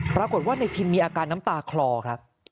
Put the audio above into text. ปรากฏว่าในทินมีอาการน้ำตาคลอครับ